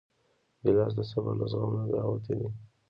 ګیلاس د صبر له زغم نه راوتی دی.